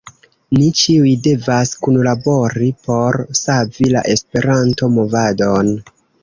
Ni ĉiuj devas kunlabori por savi la Esperanto-movadon.